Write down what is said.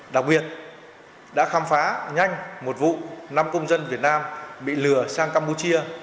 đặc biệt đã khám phá nhanh một vụ năm công dân việt nam bị lừa sang campuchia